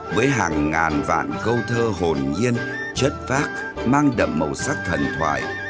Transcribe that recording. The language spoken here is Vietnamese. với hàng ngàn vạn câu thơ hồn nhiên chất vác mang đậm màu sắc thần thoại